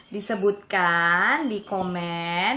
disebutkan di komen